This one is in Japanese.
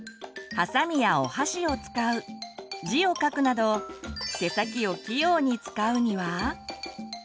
はさみやお箸を使う字を書くなど手先を器用に使うには？